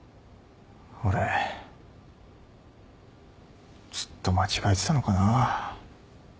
俺ずっと間違えてたのかな。